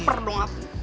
haper dong aku